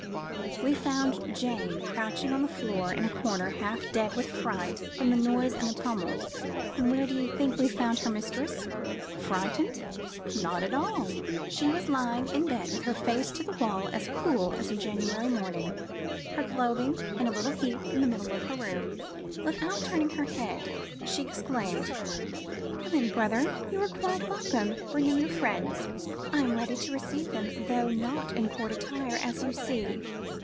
We found Jane crouching on the floor in a corner half dead with fright from the noise and tumult and where do you think we found her mistress? Frightened? Not at all; she was lying in bed with her face to the wall as cool as a January morning; her clothing in a little heap in the middle of the room. Without turning her head, she exclaimed: "Come in, brother; you are quite welcome. Bring in your friends; I am ready to receive them, though not in court attire, as you see."